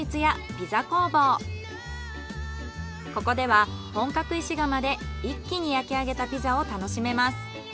ここでは本格石窯で一気に焼き上げたピザを楽しめます。